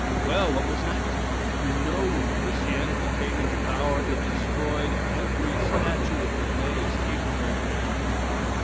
Well, what was the next? You know when Christianity came into power it destroyed every statue it could lay its ignorant hands upon.